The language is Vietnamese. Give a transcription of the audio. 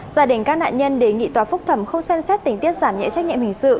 gia đình các nạn nhân đề nghị tòa phúc thẩm không xem xét tình tiết giảm nhẹ trách nhiệm hình sự